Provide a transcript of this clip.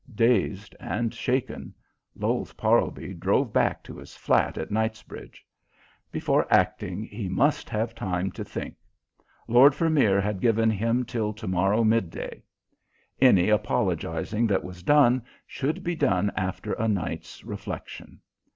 Dazed and shaken, Lowes Parlby drove back to his flat at Knightsbridge. Before acting he must have time to think. Lord Vermeer had given him till to morrow midday. Any apologizing that was done should be done after a night's reflection.